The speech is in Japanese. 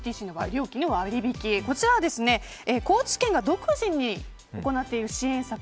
こちらは高知県が独自に行っている支援策